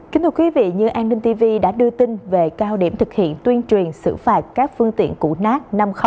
kính thưa quý vị như an ninh tv đã đưa tin về cao điểm thực hiện tuyên truyền xử phạt các phương tiện củ nát năm